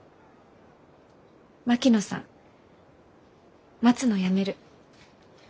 槙野さん待つのやめる。